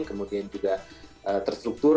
kemudian juga terstruktur